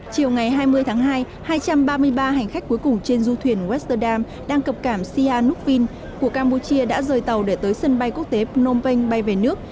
chiều ngày hai mươi tháng hai hai trăm ba mươi ba hành khách cuối cùng trên du thuyền westerdam đang cập cảm sia nukvin của campuchia đã rời tàu để tới sân bay quốc tế phnom penh bay về nước